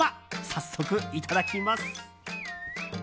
早速いただきます。